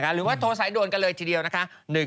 หรือว่าโทรสายโดนกันเลยทีเดียว๑๕๖๙ค่ะ